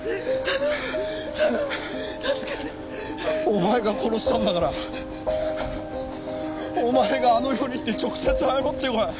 お前が殺したんだからお前があの世に行って直接謝ってこい！